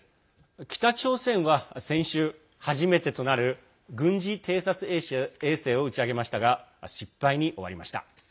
北朝鮮は先週、初めてとなる軍事偵察衛星を打ち上げましたが失敗に終わりました。